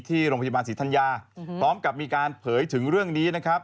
ที่โรงพยาบาลศรีธัญญาพร้อมกับมีการเผยถึงเรื่องนี้นะครับ